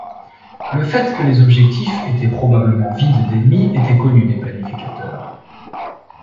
Le fait que les objectifs étaient probablement vides d'ennemi était connu des planificateurs.